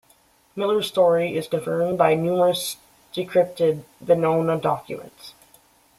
Miller's story is confirmed by numerous decrypted Venona documents.